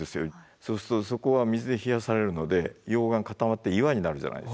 そうするとそこは水で冷やされるので溶岩固まって岩になるじゃないですか。